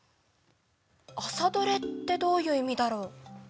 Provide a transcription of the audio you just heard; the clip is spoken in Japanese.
朝どれってどういう意味だろう。